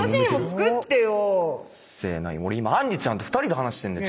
俺今あんりちゃんと２人で話してんだよ。